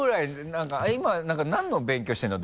今なんの勉強してるの？